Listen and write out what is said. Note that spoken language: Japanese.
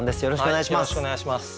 よろしくお願いします。